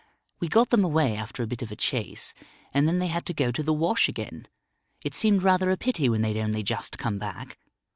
We got them away after a bit of a chase, and then they had to go to the wash again. It seemed rather a pity when they'd only just come back.